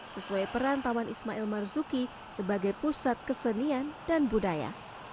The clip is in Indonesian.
sesuai peran taman ismail marzuki sebagai pusat kesenian dan budaya